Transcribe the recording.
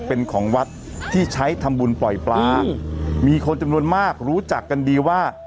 เป็นของวัดที่ใช้ทำบุญปล่อยปลามีคนจำนวนมากรู้จักกันดีว่า